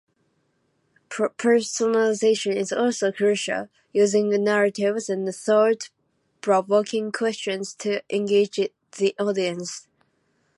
Personalization is also crucial, using narratives and thought-provoking questions to engage the audience.